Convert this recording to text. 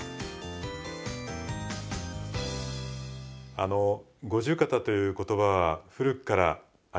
あの五十肩という言葉は古くからあります。